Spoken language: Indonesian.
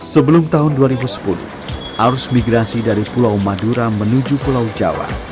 sebelum tahun dua ribu sepuluh arus migrasi dari pulau madura menuju pulau jawa